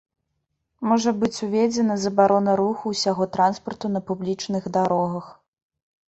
Можа быць уведзеная забарона руху усяго транспарту на публічных дарогах.